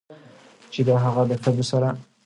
چې هغه د ښځو سره